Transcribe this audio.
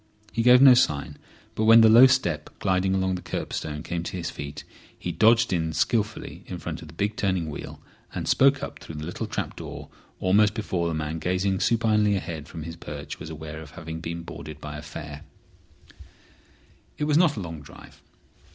He gave no sign; but when the low step gliding along the curbstone came to his feet he dodged in skilfully in front of the big turning wheel, and spoke up through the little trap door almost before the man gazing supinely ahead from his perch was aware of having been boarded by a fare. It was not a long drive.